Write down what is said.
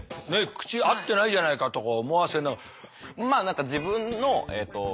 口合ってないじゃないかとか思わせながら。